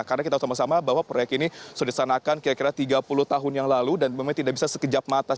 karena kita tahu sama sama bahwa proyek ini sudah disanakan kira kira tiga puluh tahun yang lalu dan memang tidak bisa sekejap matas